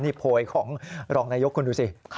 นี่โพยของรองนายกคุณดูสิ